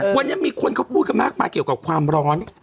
วันนี้มีคนเขาพูดกันมากมายเกี่ยวกับความร้อน